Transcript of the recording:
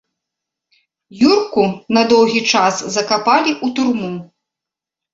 Юрку на доўгі час закапалі ў турму.